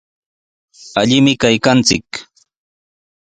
Allimi kaykanchik.